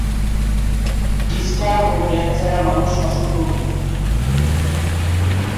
নিষ্ঠা ও জ্ঞান ছাড়া মানুষ অসম্পূর্ণ।